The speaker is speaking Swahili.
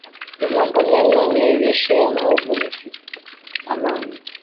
Mambo mema niegheshea, maovu nisitamani.